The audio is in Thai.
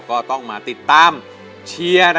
ก็ต้องมาติดตามเชียร์